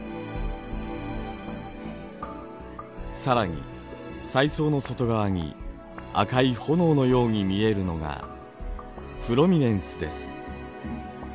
更に彩層の外側に赤い炎のように見えるのがプロミネンスです。